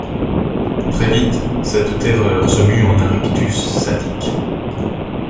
Très vite cette terreur se mue en un rictus sadique.